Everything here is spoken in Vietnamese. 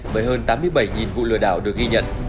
với hơn tám mươi bảy vụ lừa đảo được ghi nhận